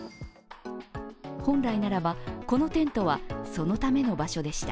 本来ならば、このテントはそのための場所でした。